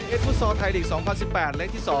เอ็ดฟุตซอร์ไทยฤกษ์๒๐๑๘เล็กที่๒